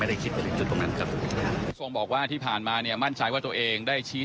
แต่การตัดสินใจเส้นทางต่างการเงียบราวคดบ้างไหมครับ